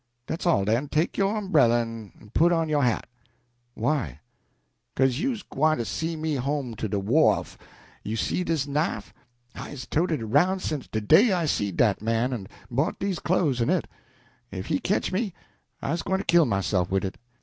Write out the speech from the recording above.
"Dat's all den. Take yo' umbreller, en put on yo' hat." "Why?" "Beca'se you's gwine to see me home to de wharf. You see dis knife? I's toted it aroun' sence de day I seed dat man en bought dese clo'es en it. If he ketch me, I's gwine to kill myself wid it.